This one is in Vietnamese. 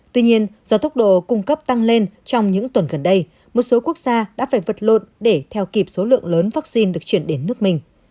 tuy nhiên do tốc độ cung cấp tăng lên trong những tuần gần đây một số quốc gia đã phải vật lộn để theo kịp số lượng lớn vaccine được chuyển đến nước mình